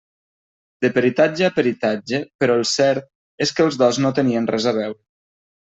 De peritatge a peritatge, però el cert és que els dos no tenien res a veure.